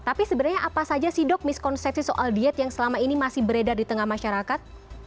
tapi sebenarnya apa saja sih dok miskonsepsi soal diet yang selama ini masih beredar di tengah masyarakat